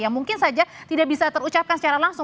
yang mungkin saja tidak bisa terucapkan secara langsung